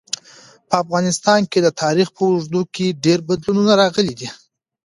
په افغانستان کي د تاریخ په اوږدو کي ډېر بدلونونه راغلي دي.